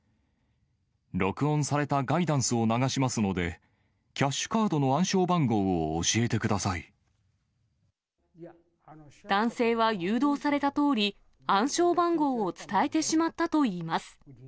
録音されたガイダンスを流しますので、キャッシュカードの暗証番男性は誘導されたとおり、暗証番号を伝えてしまったといいます。